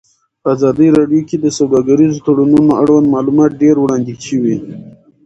په ازادي راډیو کې د سوداګریز تړونونه اړوند معلومات ډېر وړاندې شوي.